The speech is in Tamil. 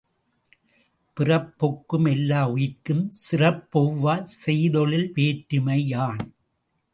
பிறப்பொக்கும் எல்லா உயிர்க்கும் சிறப்பொவ்வாச் செய்தொழில் வேற்றுமை யான்.